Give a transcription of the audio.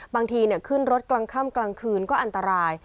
บางทีขึ้นรถกลางค่ำกลางคืนก็อันตราย